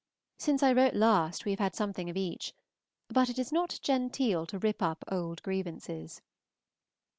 Since I wrote last we have had something of each, but it is not genteel to rip up old grievances.